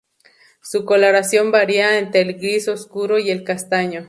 Su coloración varía entre el gris oscuro y el castaño.